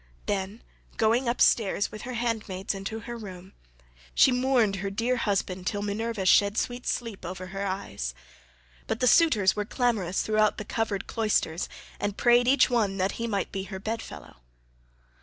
Then, going upstairs with her handmaids into her room, she mourned her dear husband till Minerva shed sweet sleep over her eyes. But the suitors were clamorous throughout the covered cloisters11, and prayed each one that he might be her bed fellow.